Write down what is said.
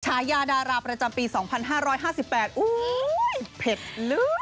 ฉายาดาราประจำปี๒๕๕๘อุ้ยเผ็ดลื้อ